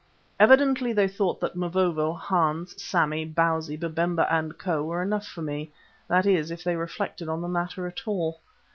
Evidently they thought that Mavovo, Hans, Sammy, Bausi, Babemba and Co. were enough for me that is, if they reflected on the matter at all.